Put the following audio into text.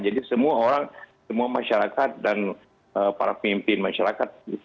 jadi semua orang semua masyarakat dan para pemimpin masyarakat